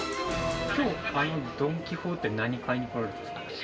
今日ドン・キホーテに何買いに来られたんですか？